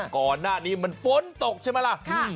ก่อนหน้านี้มันฝนตกใช่ไหมล่ะ